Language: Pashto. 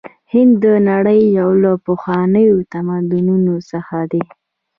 هند د نړۍ یو له پخوانیو تمدنونو څخه دی.